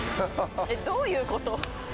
えっどういうこと？